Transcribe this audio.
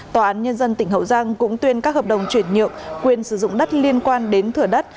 tòa án nhân dân tỉnh hậu giang cũng tuyên các hợp đồng chuyển nhượng quyền sử dụng đất liên quan đến thửa đất